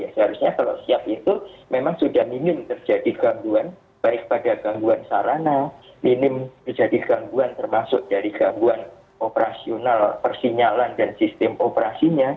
seharusnya kalau siap itu memang sudah minim terjadi gangguan baik pada gangguan sarana minim terjadi gangguan termasuk dari gangguan operasional persinyalan dan sistem operasinya